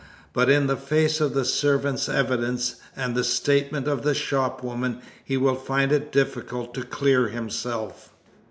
But in the face of the servant's evidence, and the statement of the shopwoman, he will find it difficult to clear himself.